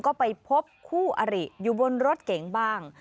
ก็ไปพบคู่อริอยู่บนรถเก๋งบ้าง